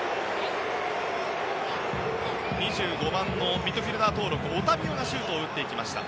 ２５番のミッドフィールダー登録オタビオがシュートを打っていきました。